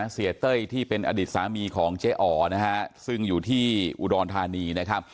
เสียเต้ยที่เป็นอดีตสามีของเจ๊อ๋อนะฮะซึ่งอยู่ที่อุดรธานีนะครับ